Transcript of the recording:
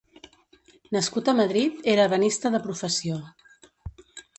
Nascut a Madrid, era ebenista de professió.